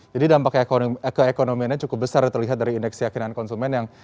jadi dampak keekonominya cukup besar ya terlihat dari indeks keyakinan konsumen yang